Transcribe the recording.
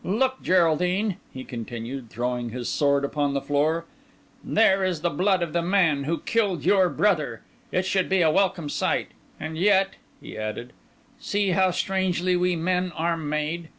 Look, Geraldine," he continued, throwing his sword upon the floor, "there is the blood of the man who killed your brother. It should be a welcome sight. And yet," he added, "see how strangely we men are made!